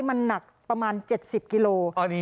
มันหนักประมาณ๗๐กิโล